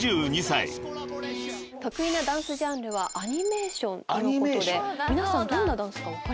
得意なダンスジャンルはアニメーションということで皆さんどんなダンスか分かりますか？